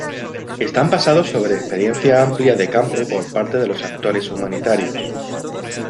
Están basados sobre experiencia amplia de campo por parte de los actores humanitarios.